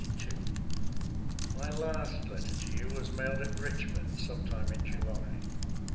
My last letter to you was mailed at Richmond, some time in July.